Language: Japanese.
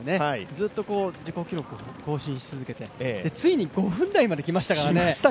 ずっと自己記録を更新し続けて、ついに５分台まできましたからね。